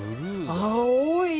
青い。